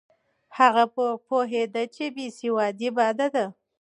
هغه پوهېده چې بې سوادي بده ده.